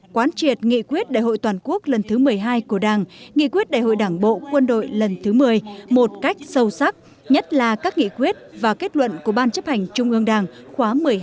quán triệt nghị quyết đại hội toàn quốc lần thứ một mươi hai của đảng nghị quyết đại hội đảng bộ quân đội lần thứ một mươi một cách sâu sắc nhất là các nghị quyết và kết luận của ban chấp hành trung ương đảng khóa một mươi hai